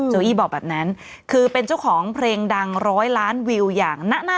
อี้บอกแบบนั้นคือเป็นเจ้าของเพลงดังร้อยล้านวิวอย่างนะ